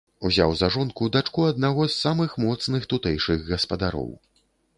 Узяў за жонку дачку аднаго з самых моцных тутэйшых гаспадароў.